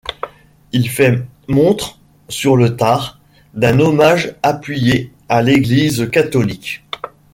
Il fait montre, sur le tard, d'un hommage appuyé à l'église catholique.